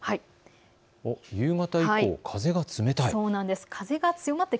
夕方以降、風が冷たい。